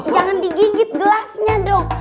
jangan digigit gelasnya dong